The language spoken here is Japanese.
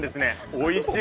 おいしい。